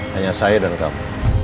hanya saya dan kamu